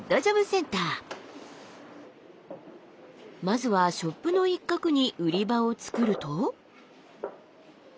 まずはショップの一角に売り場を作ると。